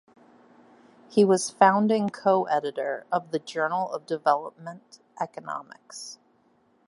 He was founding co-editor of the Journal of Development Economics.